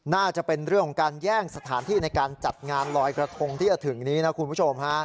น่าจะเป็นเรื่องของการแย่งสถานที่ในการจัดงานลอยกระทงที่จะถึงนี้นะคุณผู้ชมฮะ